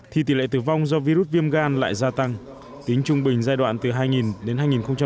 thì tỉ lệ tử vong do virus viêm gan lại gia tăng tính trung bình giai đoạn từ hai nghìn đến hai nghìn một mươi bốn